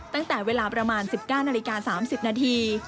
ตั้งแต่เวลาประมาณ๑๙นาฬิกา๓๐นาที